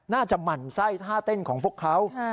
หมั่นไส้ท่าเต้นของพวกเขา